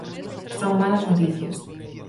Son malas noticias.